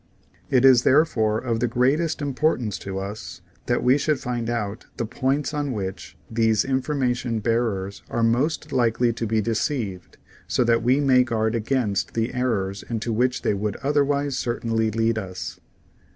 It is, therefore, of the greatest importance to us, that we should find out the points on which these information bearers are most likely to be deceived so that we may guard against the errors into which they would otherwise certainly lead us.